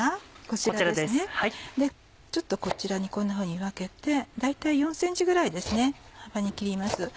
ちょっとこんなふうに分けて大体４ｃｍぐらいの幅に切ります。